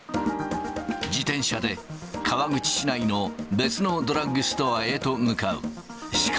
自転車で川口市内の別のドラッグストアへと向かう。